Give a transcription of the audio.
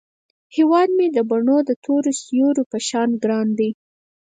هیواد مې د بڼو د تور سیوري په شان ګران دی